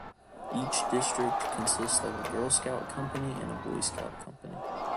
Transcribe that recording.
Each District consists of a girl scout company and a boy scout company.